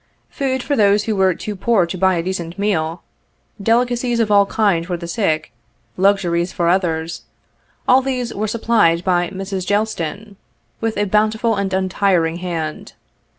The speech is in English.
Food for those who were too poor to buy a decent meal, delicacies of all kinds for the sick, luxuries for others — all these were supplied by Mrs. Gelston, with a bountiful and untiring hand.